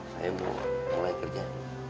saya mau mulai kerja